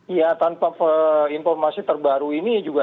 iya tanpa informasi terbaru ini juga